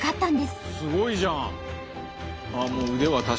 すごいじゃん！